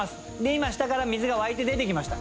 今下から水が湧いて出てきました